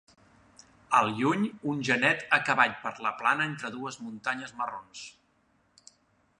Al lluny un genet a cavall per la plana entre dues muntanyes marrons.